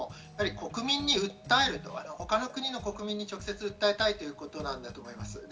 国民に訴える、他の国の国民に直接訴えたいということなんだと思います。